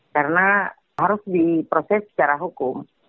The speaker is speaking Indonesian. karena harus diproses secara hukum